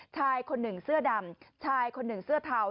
ชายคนหนึ่งเสื้อดำชายคนหนึ่งเสื้อเทา